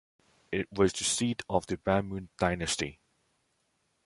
It was the seat of the Bamoun Dynasty.